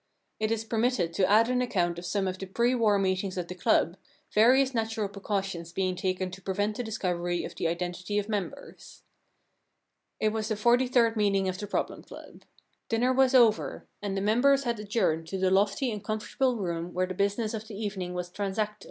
It is permitted to add an account of some of the pre war meetings of the club, various natural precautions being taken to prevent the discovery of the identity of members. 6 The Giraffe Problem It was the forty third meeting of the Problem Club. Dinner was over, and the members had adjourned to the lofty and comfortable room where the business of the evening was transacted.